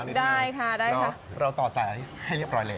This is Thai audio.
แล้วล่อต่อสายให้เรียบร้อยแหละ